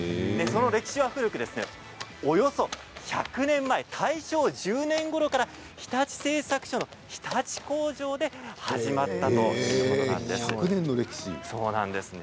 歴史は古く、およそ１００年前大正１０年ごろから日立製作所の日立工場で始まった１００年の歴史。